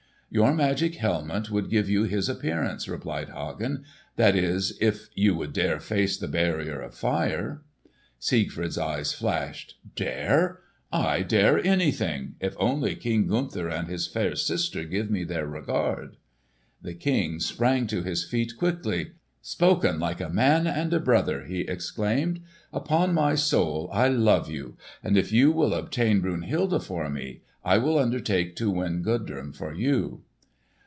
"Your magic helmet would give you his appearance," replied Hagen; "that is, if you would dare face the barrier of fire." Siegfried's eyes flashed. "Dare? I dare anything, if only King Gunther and his fair sister give me their regard!" The King sprang to his feet quickly. "Spoken like a man and a brother!" he exclaimed. "Upon my soul, I love you! And if you will obtain Brunhilde for me, I shall undertake to win Gudrun for you."